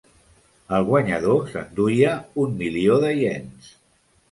El guanyador s'enduia un milió de iens.